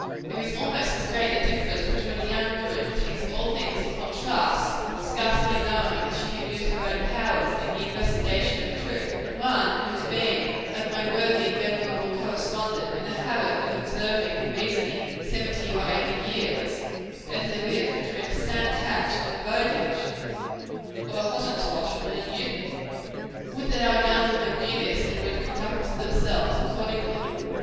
There is almost as great a difference between a young woman who takes all things upon trust, scarcely knowing that she can use her own powers in the investigation of truth, and one who has been, like my worthy and venerable correspondent, in the habit of observing and reasoning seventy or eighty years, as there is between a Sam Patch and a Bowditch or a Hottentot and a Newton. Would that our young women knew this, and would conduct themselves accordingly!